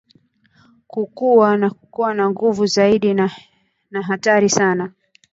kukua na kuwa na nguvu zaidi na hatari sana